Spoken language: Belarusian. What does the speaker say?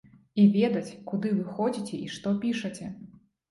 І ведаць, куды вы ходзіце і што пішаце.